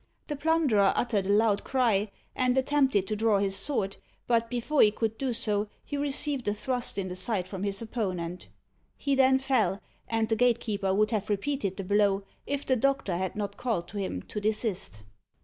The plunderer uttered a loud cry, and attempted to draw his sword; but before he could do so, he received a thrust in the side from his opponent. He then fell, and the gatekeeper would have repeated the blow, if the doctor had not called to him to desist.